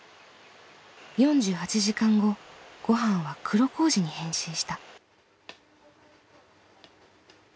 ４８時間後ごはんは黒麹に変身した。